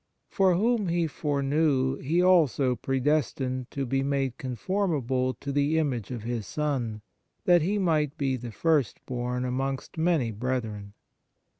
" For whom He foreknew He also predestinated to be made conformable to the image of His Son, that He might be the first born amongst many brethren."